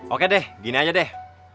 oke deh gini aja deh